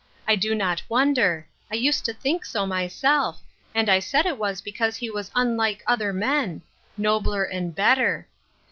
I do not wonder ; I used to think so myself ; and I said it was because he was unlike other men — nobler and better.